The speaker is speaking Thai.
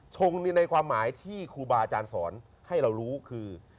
ในความหมายที่ครูบาอาจารย์สอนให้เรารู้คือ